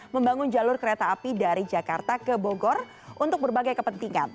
membangun jalur kereta api dari jakarta ke bogor untuk berbagai kepentingan